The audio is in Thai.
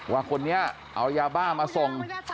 ว่าคนนี้เอายาบ้ามาส่ง